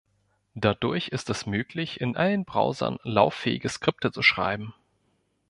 Dadurch ist es möglich, in allen Browsern lauffähige Skripte zu schreiben.